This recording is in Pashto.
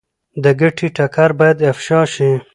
د ګټې ټکر باید افشا شي.